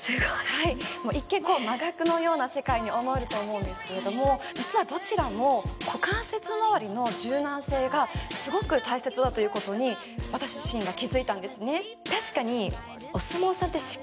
はい一見に思えると思うんですけれども実はどちらも股関節まわりの柔軟性がすごく大切だということに私自身が気づいたんですね